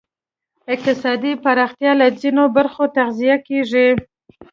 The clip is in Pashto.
اقتصادي پراختیا له ځینو برخو تغذیه کېږی.